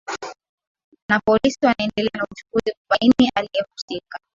na polisi wanaendelea na uchunguzi kubaini aliyehusika